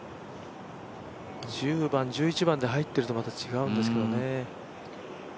１０番、１１番で入ってるとまた違うんですけどね。